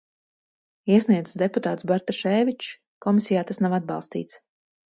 Iesniedzis deputāts Bartaševičs, komisijā tas nav atbalstīts.